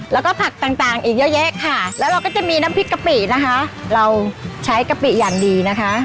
แล้วก็ผักต่างต่างอีกเยอะแยะค่ะแล้วเราก็จะมีน้ำพริกกะปินะคะเราใช้กะปิอย่างดีนะคะ